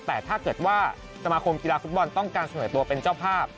แต่ถ้าเกิดว่าสมาคมกีฬาฟุตบอลต้องการเสนอตัวเป็นเจ้าภาพ